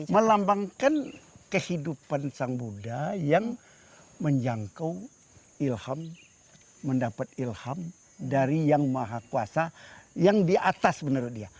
melambangkan kehidupan sang buddha yang menjangkau ilham mendapat ilham dari yang maha kuasa yang di atas menurut dia